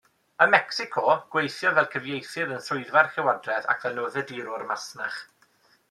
Ym Mecsico, gweithiodd fel cyfieithydd yn swyddfa'r llywodraeth ac fel newyddiadurwr masnach.